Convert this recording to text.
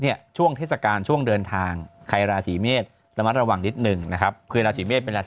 เดี๋ยวนี้เอาใหญ่เลยหรือเถอะ